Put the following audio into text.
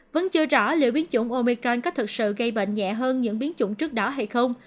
vẫn chưa rõ liệu biến chủng omicron có thực sự gây bệnh nhẹ hơn những biến chủng trước đó hay không